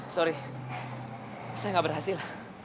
sorry saya gak berhasil